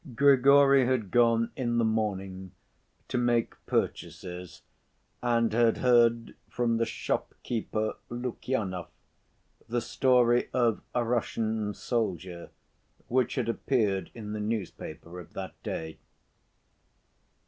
Grigory had gone in the morning to make purchases, and had heard from the shopkeeper Lukyanov the story of a Russian soldier which had appeared in the newspaper of that day.